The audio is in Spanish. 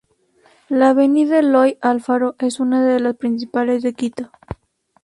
La avenida Eloy Alfaro es una de las principales de Quito.